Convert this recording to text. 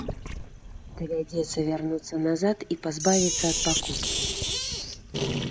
Давядзецца вярнуцца назад і пазбавіцца ад пакупкі.